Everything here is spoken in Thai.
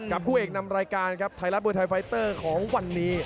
คู่เอกนำรายการครับไทยรัฐมวยไทยไฟเตอร์ของวันนี้